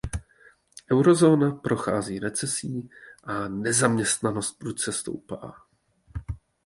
Eurozóna prochází recesí a nezaměstnanost prudce stoupá.